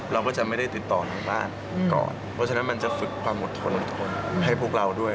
เราก็จะไม่ได้ติดต่อทางบ้านก่อนเพราะฉะนั้นมันจะฝึกความอดทนอดทนให้พวกเราด้วย